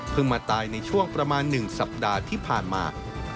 มาตายในช่วงประมาณ๑สัปดาห์ที่ผ่านมา